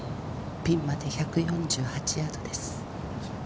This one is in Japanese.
ピンまで１４８ヤードです。